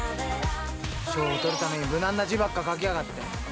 ◆賞を取るために無難な字ばっか書きやがって。